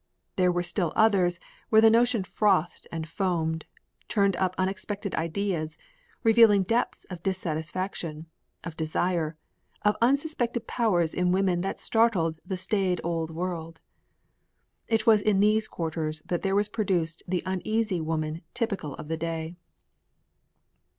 There were still others where the notion frothed and foamed, turning up unexpected ideas, revealing depths of dissatisfaction, of desire, of unsuspected powers in woman that startled the staid old world. It was in these quarters that there was produced the uneasy woman typical of the day.